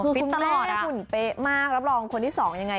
ฟิตตลอดอะคือคุณไม่ให้หุ่นเป๊ะมากรับรองคนที่สองยังไง